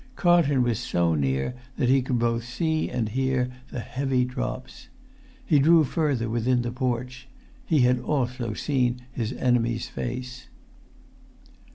Carlton was so near that he could both see and hear the heavy drops. He drew further within the porch: he had also seen his enemy's face.